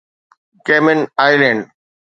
ڪيمن island